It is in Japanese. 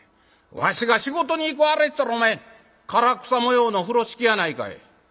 わしが仕事に行く『あれ』って言うたらお前唐草模様の風呂敷やないかい」。